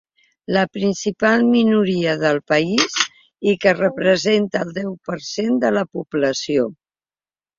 La principal minoria del país i que representa el deu per cent de la població.